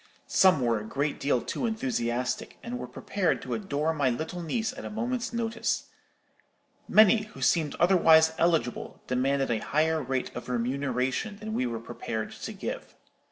Some were a great deal too enthusiastic, and were prepared to adore my little niece at a moment's notice. Many, who seemed otherwise eligible, demanded a higher rate of remuneration than we were prepared to give.